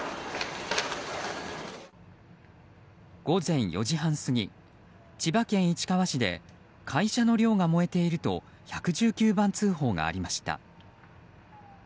午前４時半過ぎ、千葉県市川市で会社の寮が燃えていると１１９番通報がありました。